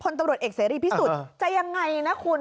ตำรวจเอกเสรีพิสุทธิ์จะยังไงนะคุณ